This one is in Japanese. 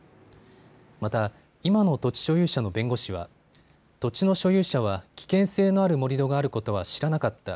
また、今の土地所有者の弁護士は土地の所有者は危険性のある盛り土があることは知らなかった。